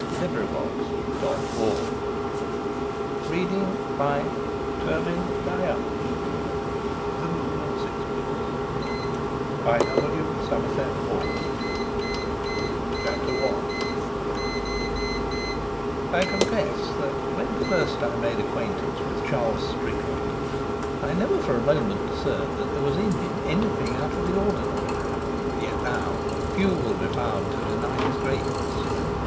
Somerset Maugham Author of "Of Human Bondage" THE MOON AND SIXPENCE The Moon and Sixpence Chapter I I confess that when first I made acquaintance with Charles Strickland I never for a moment discerned that there was in him anything out of the ordinary. Yet now few will be found to deny his greatness.